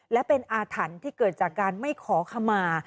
และเป็นอาถรรพ์ที่เกิดจากการไม่ขอขมา